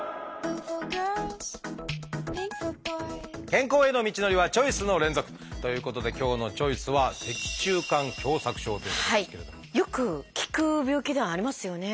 健康への道のりはチョイスの連続！ということで今日の「チョイス」はよく聞く病気ではありますよね。